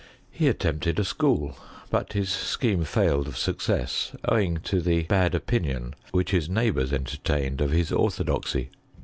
He attempted a school; but his scheme fuled of success, owing to the bad opinion which his neighbours entertained of his orthodoxy.